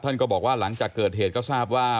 ก็บอกว่าหลังจากเกิดเหตุก็ทราบว่า